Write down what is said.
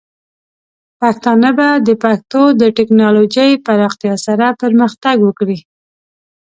پښتانه به د پښتو د ټیکنالوجۍ پراختیا سره پرمختګ وکړي.